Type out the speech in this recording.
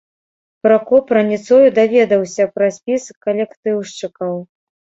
Пракоп раніцою даведаўся пра спіс калектыўшчыкаў.